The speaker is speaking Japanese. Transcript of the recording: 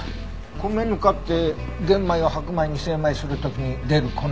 米ぬかって玄米を白米に精米する時に出る粉。